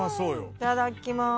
いただきます。